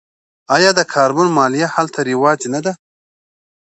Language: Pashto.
آیا د کاربن مالیه هلته رواج نه ده؟